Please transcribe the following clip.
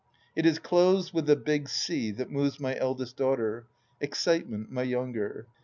It is Clothes with a big C that moves my eldest daughter ; excite ment my younger.